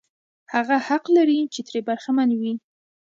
هغه حق لري چې ترې برخمن وي.